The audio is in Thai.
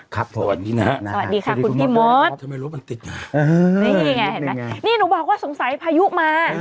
ครับสวัสดีนะฮะสวัสดีค่ะคุณพี่มดอื้อนี่ไงนี่หนูบอกว่าสงสัยพายุมา